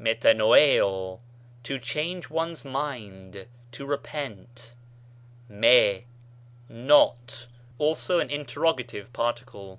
peravoéw, to change one's mind, to repent. μή, not ; also an interrogative par ticle.